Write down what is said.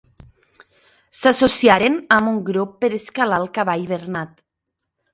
S'associaren amb un grup per escalar el Cavall Bernat.